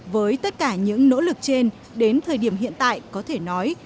với tất cả những nỗ lực trên đến thời điểm hiện tại có thể nói